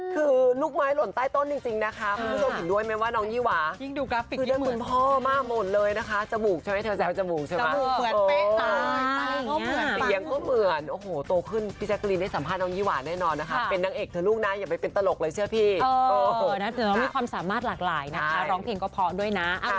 ไปดีใจฉันเลย